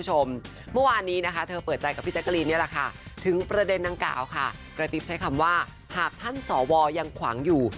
สหกฤติพย์ใช้คำว่าหากท่านสวยังขวางอยู่